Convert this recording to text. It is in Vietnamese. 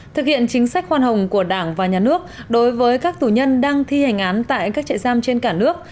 thực hiện chính sách khoan hồng của đảng và nhà nước đối với các tù nhân đang thi hành án tại các trại giam trên cả nước